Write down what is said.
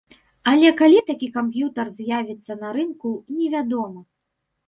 Але калі такі камп'ютар з'явіцца на рынку, невядома.